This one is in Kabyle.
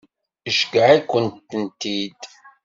Iceyyeε-ikent-id?